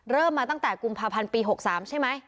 เริ่มมาตั้งแต่กุมภาพันธ์ปี๖๓ใช่ไหม